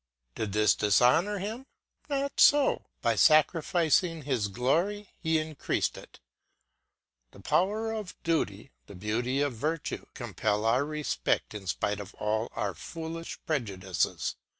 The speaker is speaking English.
Did this dishonour him? Not so; by sacrificing his glory he increased it. The power of duty, the beauty of virtue, compel our respect in spite of all our foolish prejudices.